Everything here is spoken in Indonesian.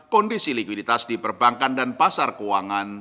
kondisi likuiditas di perbankan dan pasar keuangan